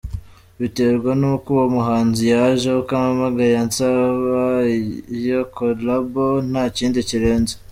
Biterwa n’uko uwo muhanzi yaje, uko ampamagaye ansaba iyo collabo nta kindi kirenze.